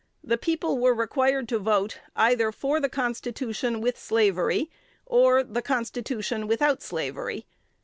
The people were required to vote either for the constitution with slavery, or the constitution without slavery.